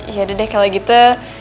yaudah deh kalau gitu